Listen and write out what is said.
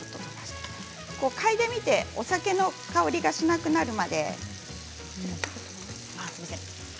嗅いでみてお酒の香りがしなくなるまで。